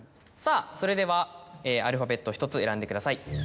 さぁそれではアルファベットを１つ選んでください。